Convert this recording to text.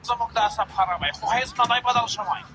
نارينه بايد د حاکميت څخه بده استفاده ونکړي.